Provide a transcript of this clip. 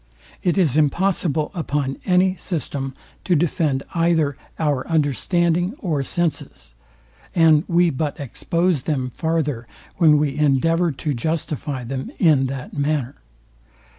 It is impossible upon any system to defend either our understanding or senses; and we but expose them farther when we endeavour to justify them in that manner.